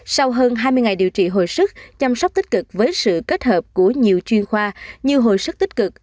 sau hơn hai mươi ngày điều trị hồi sức chăm sóc tích cực với sự kết hợp của nhiều chuyên khoa như hồi sức tích cực